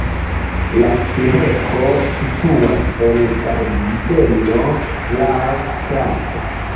La kirko situas en ĝardeno laŭ strato.